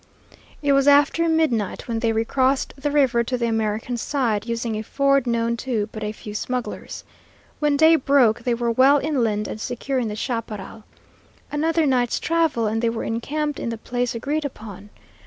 It was after midnight when they recrossed the river to the American side, using a ford known to but a few smugglers. When day broke they were well inland and secure in the chaparral. Another night's travel, and they were encamped in the place agreed upon.